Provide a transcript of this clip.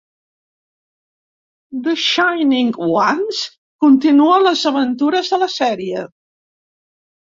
"The Shining Ones" continua les aventures de la sèrie.